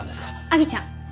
亜美ちゃん。